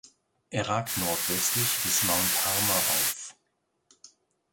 Er ragt nordwestlich des Mount Harmer auf.